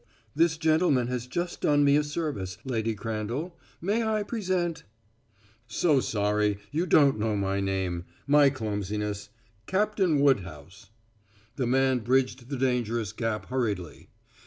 "This gentleman has just done me a service, Lady Crandall. May I present " "So sorry. You don't know my name. My clumsiness. Captain Woodhouse." The man bridged the dangerous gap hurriedly.